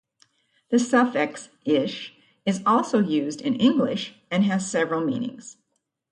The suffix "ish" is also used in English and has several meanings.